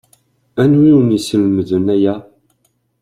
Anwi i wen-yeslemden aya?